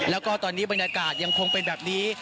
แล้วก็ตอนนี้บรรยากาศยังคงเป็นแบบนี้